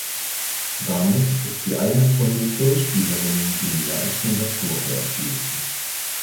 Damit ist sie eine von nur zehn Spielerinnen, die mehr als hundert Tore erzielten.